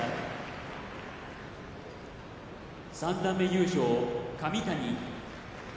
三段目優勝の神谷。